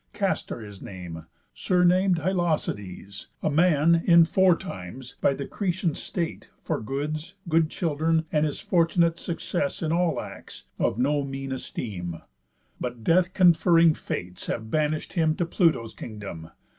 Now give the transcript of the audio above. Castor his name, surnam'd Hylacides. A man, in fore times, by the Cretan state, For goods, good children, and his fortunate Success in all acts, of no mean esteem. But death conferring Fates have banish'd him To Pluto's kingdom.